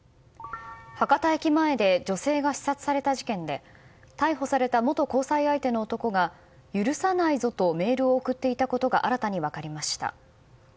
博多駅前で女性が刺殺された事件で逮捕された元交際相手の男が許さないぞとメールを送っていたことが新たに分かりました。